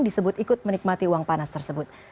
disebut ikut menikmati uang panas tersebut